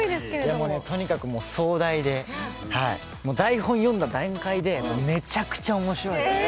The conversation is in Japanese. でもね、とにかく壮大で台本読んだ段階でめちゃくちゃ面白い。